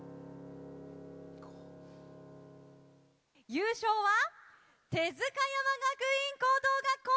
優勝は帝塚山学院高等学校！